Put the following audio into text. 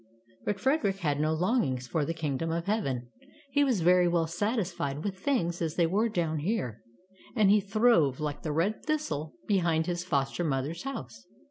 But Frederick had no longings for the kingdom of Heaven. He was very well satisfied with things as they were down here, and he throve like the red thistle be 75 76 Tales of Modern Germany hind his foster mother's house.